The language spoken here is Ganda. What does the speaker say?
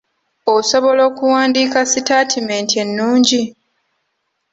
Osobola okuwandiika sitaatimenti ennungi?